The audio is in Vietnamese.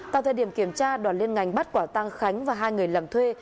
tại thời điểm kiểm tra đoàn liên ngành bắt quả tăng khánh và hai người làm thuê